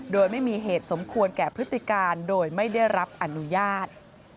โดยไม่มีเหตุสมควรแก่พฤติการโดยไม่ได้รับอนุญาต